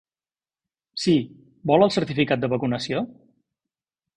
Sí, vol el certificat de vacunació?